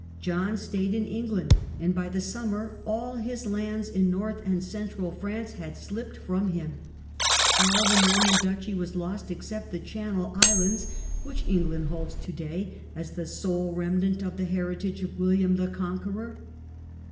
John stayed in England, and by the summer all his lands in north and central France had slipt from him. All the Norman duchy was lost except the Channel Islands, which England holds to day as the sole remnant of the heritage of William the Conqueror.